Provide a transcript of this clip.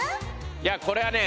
いやこれはね